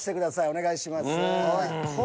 お願いします。